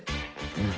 うん。